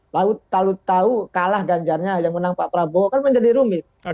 lalu tahu kalah ganjarnya yang menang pak prabowo kan menjadi rumit